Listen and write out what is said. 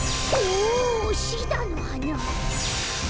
おおシダのはな！